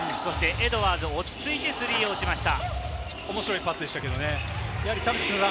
エドワーズ、落ち着いてスリーを打ちました。